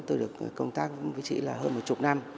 tôi được công tác với chị là hơn một chục năm